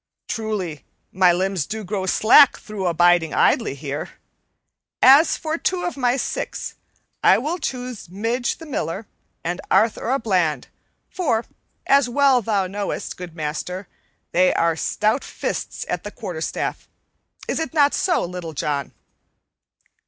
Truly, my limbs do grow slack through abiding idly here. As for two of my six, I will choose Midge the Miller and Arthur a Bland, for, as well thou knowest, good master, they are stout fists at the quarterstaff. Is it not so, Little John?"